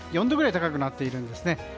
４度くらい高くなっているんですね。